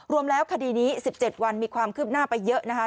รวมแล้วคดีนี้๑๗วันมีความคืบหน้าไปเยอะนะคะ